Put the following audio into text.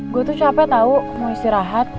gue tuh capek tau mau istirahat